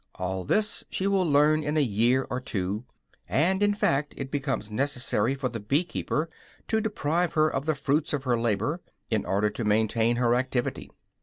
All this she will learn in a year or two; and in fact it becomes necessary for the bee keeper to deprive her of the fruits of her labor, in order to maintain her activity.